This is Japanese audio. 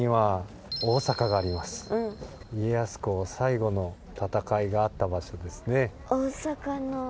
家康公最後の戦いがあった場所ですね。